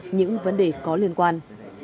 những vấn đề có liên quan